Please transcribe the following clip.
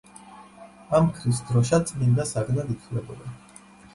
ამქრის დროშა წმინდა საგნად ითვლებოდა.